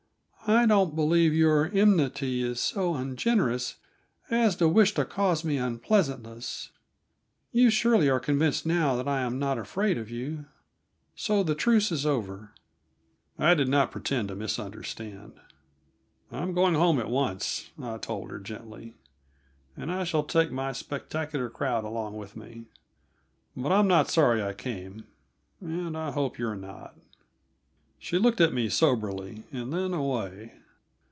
"I don't believe your enmity is so ungenerous as to wish to cause me unpleasantness. You surely are convinced now that I am not afraid of you, so the truce is over." I did not pretend to misunderstand. "I'm going home at once," I told her gently, "and I shall take my spectacular crowd along with me; but I'm not sorry I came, and I hope you are not." She looked at me soberly, and then away.